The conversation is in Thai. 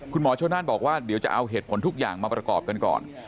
คุณหมอชนนั่นบอกว่าเดี๋ยวจะเอาเหตุผลทุกอย่างมาประกอบกันก่อน